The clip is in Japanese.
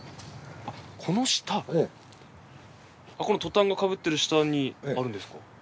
このトタンのかぶってる下にあるんですか？